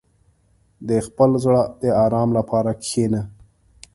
• د خپل زړه د آرام لپاره کښېنه.